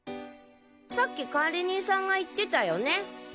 さっき管理人さんが言ってたよね？